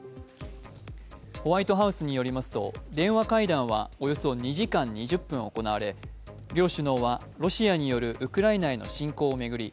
ホワイトハウスによりますと、電話会談はおよそ２時間２０分行われ両首脳はロシアによるウクライナ侵攻を巡り